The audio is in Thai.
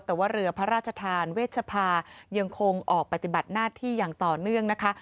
แต่ว่าเรือพระราชทานเวชภายังคงออกปฏิบัติหน้าที่อย่างต่อเนื่องนะคะ